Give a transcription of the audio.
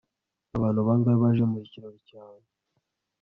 abantu bangahe baje mu kirori cyawe